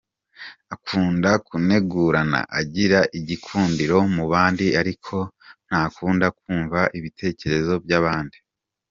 Akunda kunegurana, agira igikundiro mu bandi ariko ntakunda kumva ibitekerezo by’abandi.